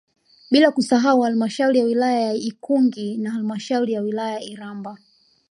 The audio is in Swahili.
Bila kusahau Halamashauri ya wilaya ya Ikungi na halmashauri ya wilaya Iramba